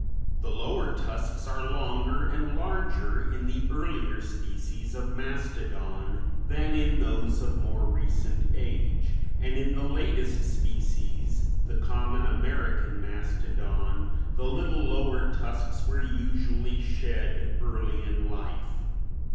The lower tusks are longer and larger in the earlier species of mastodon than in those of more recent age and in the latest species, the common American mastodon, the little lower tusks were usually shed early in life.